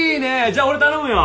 じゃあ俺頼むよ。